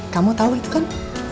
kamu tahu itu kan